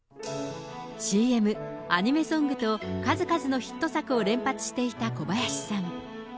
ＣＭ、アニメソングと、数々のヒット作を連発していた小林さん。